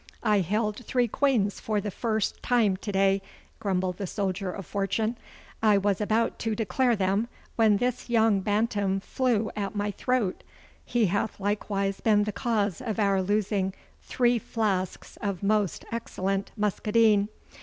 'I held three queens for the first time to day,' grumbled the soldier of fortune. 'I was about to declare them when this young bantam flew at my throat. He hath likewise been the cause of our losing three flasks of most excellent muscadine.